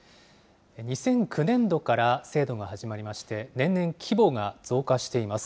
２００９年度から制度が始まりまして、年々規模が増加しています。